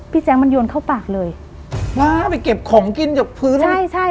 แจ๊คมันโยนเข้าปากเลยว้าไปเก็บของกินกับพื้นใช่ใช่